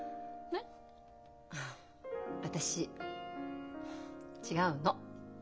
あっ私違うの。